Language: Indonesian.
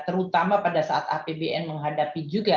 terutama pada saat apbn menghadapi juga